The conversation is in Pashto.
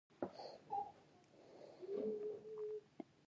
ایا ستاسو برکت به زیات شي؟